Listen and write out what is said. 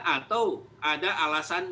atau ada alasan